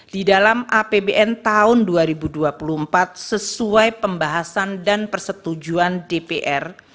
di dalam apbn tahun dua ribu dua puluh empat sesuai pembahasan dan persetujuan dpr